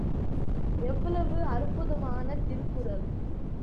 எவ்வளவு அற்புதமான திருக்குறள்!